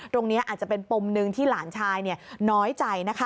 ตรงนี้อาจจะเป็นปมหนึ่งที่หลานชายน้อยใจนะคะ